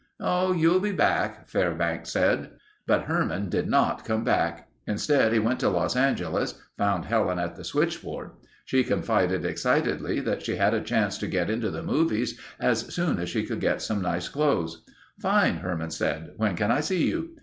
"Oh, you'll be back," Fairbanks said. But Herman didn't come back. Instead he went to Los Angeles, found Helen at the switchboard. She confided excitedly that she had a chance to get into the movies as soon as she could get some nice clothes. "Fine," Herman said. "When can I see you?"